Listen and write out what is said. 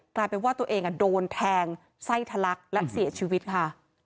กลายเป็นว่าตัวเองโดนแทงไส้ทะลักและเสียชีวิตค่ะ